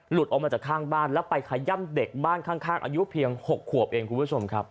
ออกมาจากข้างบ้านแล้วไปขย่ำเด็กบ้านข้างอายุเพียง๖ขวบเองคุณผู้ชมครับ